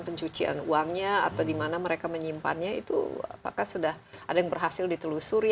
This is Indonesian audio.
pencucian uangnya atau di mana mereka menyimpannya itu apakah sudah ada yang berhasil ditelusuri